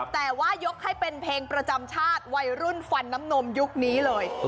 แต่ว่ายกให้เป็นเพลงประจำชาติวัยรุ่นฟันน้ำนมยุคนี้เลย